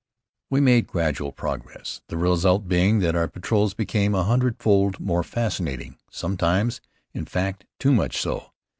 We made gradual progress, the result being that our patrols became a hundred fold more fascinating, sometimes, in fact, too much so.